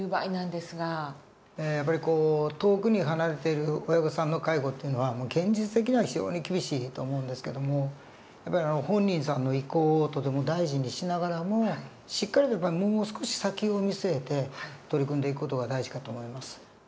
やっぱり遠くに離れている親御さんの介護っていうのは現実的には非常に厳しいと思うんですけどもやっぱり本人さんの意向をとても大事にしながらもしっかりともう少し先を見据えて取り組んでいく事が大事かと思います。